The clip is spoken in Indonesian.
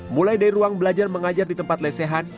mulai dari ruang belajar mengajar di tempat lesehan